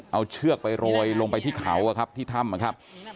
เอาเชือกไปโรยลงไปที่เขาที่ถ้ำนะครับ